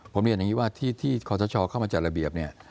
ผมเรียนอย่างนี้ว่าที่ที่ความสะชอบเข้ามาจัดระเบียบ